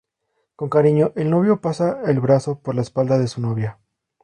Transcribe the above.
Con cariño, el novio pasa el brazo por la espalda de su novia.